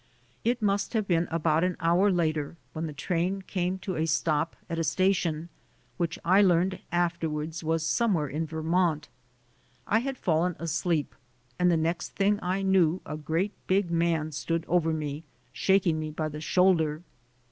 It must have been about an hour later when the train came to a stop at a station, which I learned afterward was somewhere in Vermont. I had fallen asleep and the next tiling I knew a great big man 114 THE SOUL OF AN IMMIGRANT stood over me, shaking me by the shoulder.